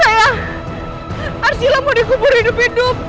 arsila mau dikubur hidup hidup